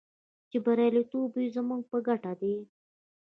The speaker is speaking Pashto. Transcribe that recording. چې بریالیتوب یې زموږ په ګټه دی.